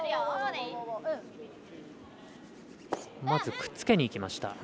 まずくっつけにいきました。